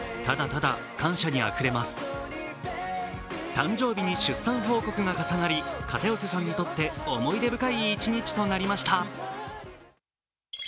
誕生日に出産報告が重なり、片寄さんにとって思い出深い一日となりました。